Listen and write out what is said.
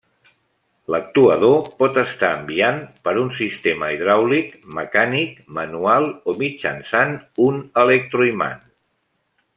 L'actuador pot estar enviant per un sistema hidràulic, mecànic, manual, o mitjançant un electroimant.